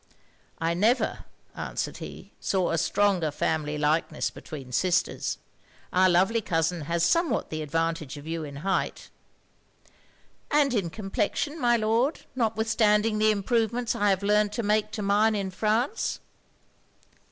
'I never,' answered he, 'saw a stronger family likeness between sisters. Our lovely cousin has somewhat the advantage of you in height.' 'And in complexion, my Lord, notwithstanding the improvements I have learned to make to mine in France.'